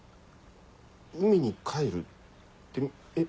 海に帰るってえっ？